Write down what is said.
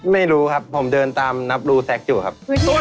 ไม่รู้ครับผมเดินตามนับรูแซคอยู่ครับ